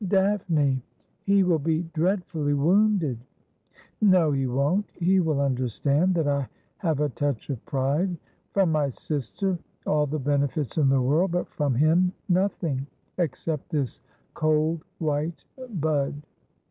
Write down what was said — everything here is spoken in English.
' Daphne ! He will be dreadfully wounded.' ' No, he won't. He will understand that I have a touch of pride. From my sister all the benefits in the world ; but from him nothing — except this cold white bud